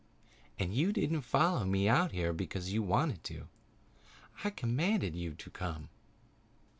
And you didn't follow me out here because you wanted to. I commanded you to come."